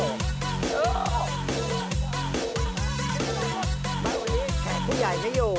นี้คือแขกขูใหญ่ให้อยู่